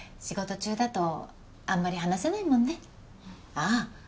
仕事中だとあんまり話せないもんねああ